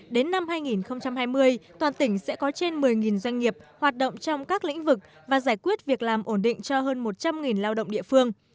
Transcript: đến năm hai nghìn hai mươi toàn tỉnh sẽ có trên một mươi doanh nghiệp hoạt động trong các lĩnh vực và giải quyết việc làm ổn định cho hơn một trăm linh lao động địa phương